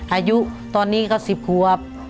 อายุตอนนี้เขา๑๐ครับ